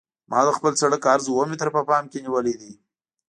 ما د خپل سرک عرض اوه متره په پام کې نیولی دی